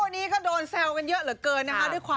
มาดูสองหนุ่มคนนี้ดีกว่า